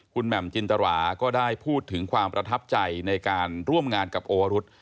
คุณแหม่มจินตราก็ได้พูดถึงความประทับใจในการร่วมงานกับโอวรุษ